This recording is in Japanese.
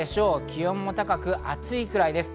気温も高く暑いくらいです。